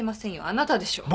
あなたでしょう。